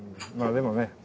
まあでもね。